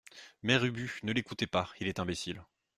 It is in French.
Mère Ubu Ne l’écoutez pas, il est imbécile.